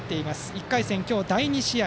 １回戦、今日第２試合